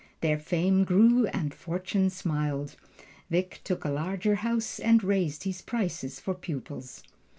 Their fame grew and fortune smiled. Wieck took a larger house and raised his prices for pupils.